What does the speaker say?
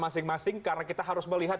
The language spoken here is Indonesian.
masing masing karena kita harus melihat